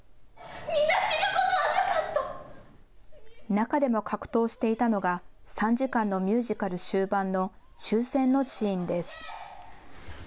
中でも格闘していたのが３時間のミュージカル終盤の終戦のシーンです。